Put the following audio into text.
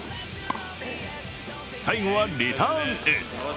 最後はリターンエース。